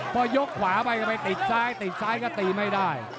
พอยกขวาไปจะไปติดซ้ายติดซ้ายก็ตีไม่ได้